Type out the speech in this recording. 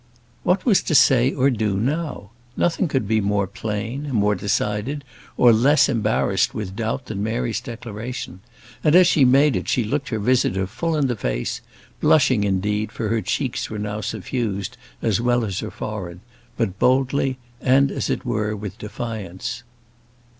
What was to say or do now? Nothing could be more plain, more decided, or less embarrassed with doubt than Mary's declaration. And as she made it she looked her visitor full in the face, blushing indeed, for her cheeks were now suffused as well as her forehead; but boldly, and, as it were, with defiance.